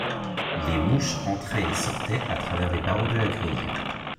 Les mouches entraient et sortaient à travers les barreaux de la grille.